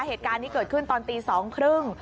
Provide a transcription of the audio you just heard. เหตุการณ์ที่เกิดขึ้นตอนตี๒๓๐น